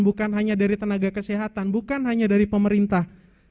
bukan hanya dari tenaga kesehatan bukan hanya dari pemerintah